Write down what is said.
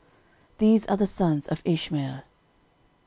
These are the sons of Ishmael.